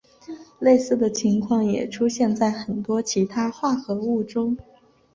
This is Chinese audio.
类似的情况也出现在很多其他化合物中。